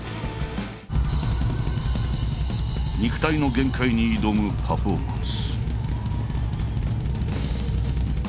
肉体の限界に挑むパフォーマンス。